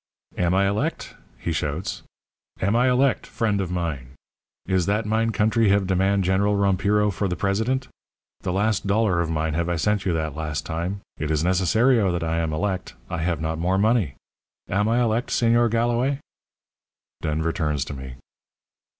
"'Am I elect?' he shouts. 'Am I elect, friend of mine? Is that mine country have demand General Rompiro for the president? The last dollar of mine have I sent you that last time. It is necessario that I am elect. I have not more money. Am I elect, Señor Galloway?' "Denver turns to me.